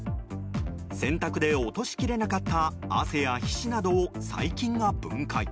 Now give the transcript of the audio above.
洗濯で落としきれなかった汗や皮脂などを細菌が分解。